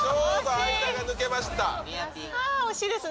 惜しいですね。